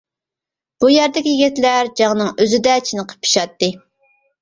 بۇ يەردىكى يىگىتلەر جەڭنىڭ ئۆزىدە چېنىقىپ پىشاتتى.